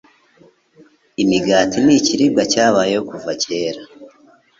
imigati ni ikiribwa cyabayeho kuva kera